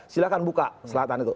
silahkan buka selatan itu